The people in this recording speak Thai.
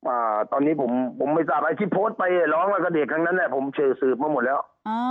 อ่าตอนนี้ผมผมไม่ทราบอะไรที่โพสต์ไปร้องแล้วก็เด็กทั้งนั้นแหละผมสื่อสืบมาหมดแล้วอ่า